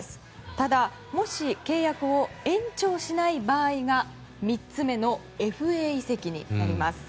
ただ、もし契約を延長しない場合が３つ目、ＦＡ移籍になります。